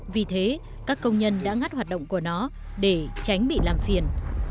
vì thế các công nhân đã ngắt hoạt động của nó để tránh bị làm phiền